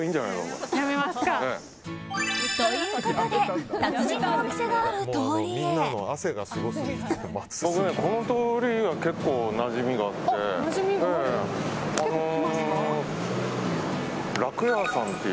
僕、この通りは結構なじみがあって。